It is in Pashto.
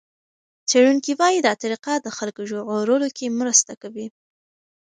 څېړونکي وايي دا طریقه د خلکو ژغورلو کې مرسته کوي.